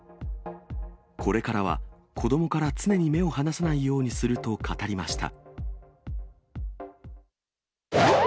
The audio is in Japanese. これからは子どもから常に目を離さないようにすると語りました。